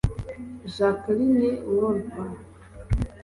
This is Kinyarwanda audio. Jacqueline Wolper